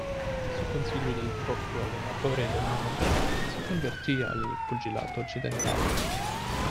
Su consiglio del proprio allenatore e del manager si convertì al pugilato occidentale.